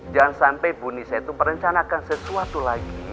jangan sampai ibu nisa itu perencanaan sesuatu lagi